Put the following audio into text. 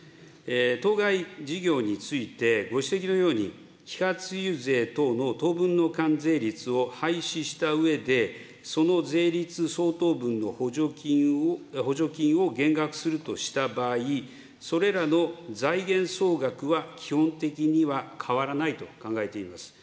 当該事業について、ご指摘のように揮発油税等の当分の関税率を廃止したうえで、その税率相当分の補助金を減額するとした場合、それらの財源総額は基本的には変わらないと考えています。